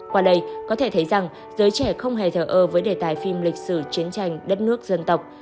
qua đây có thể thấy rằng giới trẻ không hề thở ơ với đề tài phim lịch sử chiến tranh đất nước dân tộc